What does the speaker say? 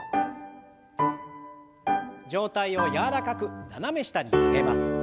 上体を柔らかく斜め下に曲げます。